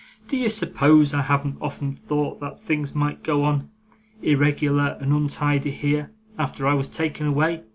Do you suppose I haven't often thought that things might go on irregular and untidy here, after I was taken away?